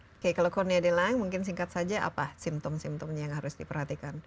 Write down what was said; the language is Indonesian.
oke kalau cornelia de lang mungkin singkat saja apa simptom simptomnya yang harus diperhatikan